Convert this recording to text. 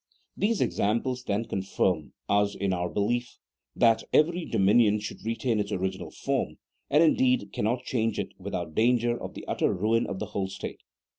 These examples, then, confirm us in our belief, that every dominion should retain its original form, and, indeed, cannot change it without danger of the utter ruin of the whole state.